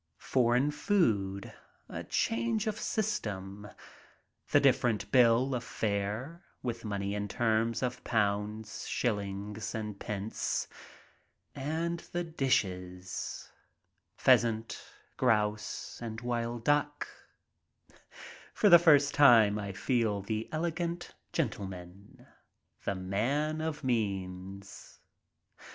Foreign food — a change of system — the different bill of fare, with money in terms of pounds, shillings, and pence. And the dishes — pheasant, grouse, and wild duck. For the first time I feel the elegant gentleman, the man of means.